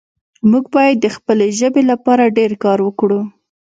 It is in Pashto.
موږ باید د خپلې ژبې لپاره ډېر کار وکړو